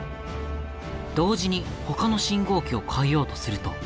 同時にほかの信号機を変えようとすると。